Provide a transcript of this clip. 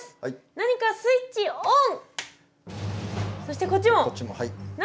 何かのスイッチがオン！